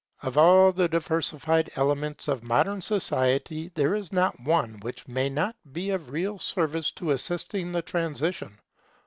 Of all the diversified elements of modern society, there is not one which may not be of real service in assisting the transition.